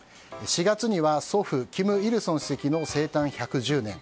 ４月には祖父・金日成主席の生誕１１０年。